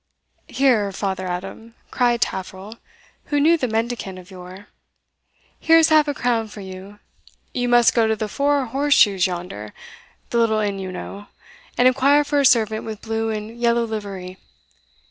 "Here, father Adam," cried Taffril, who knew the mendicant of yore "here's half a crown for you. You must go to the Four Horse shoes yonder the little inn, you know, and inquire for a servant with blue and yellow livery.